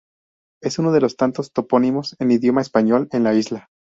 Es uno de los tantos topónimos en idioma español en la isla.